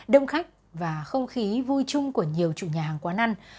đông khách và không khí vui chung của nhiều chủ nhà hàng quán ăn